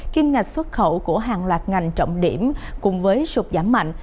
kim ngạch xuất khẩu của hàng loạt ngành trọng điểm cùng với sụt giảm mạnh